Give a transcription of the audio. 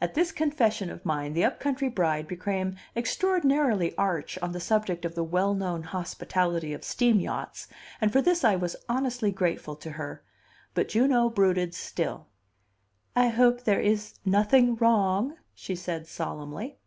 At this confession of mine the up country bride became extraordinarily arch on the subject of the well known hospitality of steam yachts, and for this I was honestly grateful to her; but Juno brooded still. "I hope there is nothing wrong," she said solemnly.